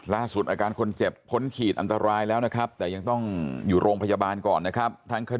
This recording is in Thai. อาการคนเจ็บพ้นขีดอันตรายแล้วนะครับแต่ยังต้องอยู่โรงพยาบาลก่อนนะครับ